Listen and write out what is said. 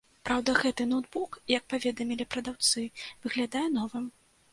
Праўда, гэты ноўтбук, як паведамілі прадаўцы, выглядае новым.